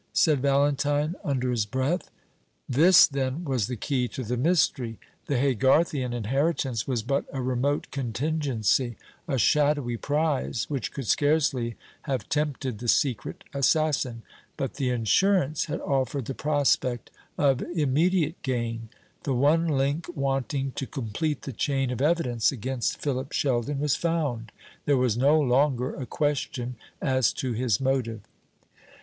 said Valentine, under his breath. This, then, was the key to the mystery. The Haygarthian inheritance was but a remote contingency, a shadowy prize, which could scarcely have tempted the secret assassin; but the insurance had offered the prospect of immediate gain. The one link wanting to complete the chain of evidence against Philip Sheldon was found. There was no longer a question as to his motive.